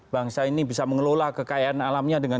bangsa ini bisa mengelola kekayaan alamnya dengan